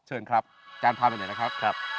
เชิญครับการพาไปหน่อยนะครับ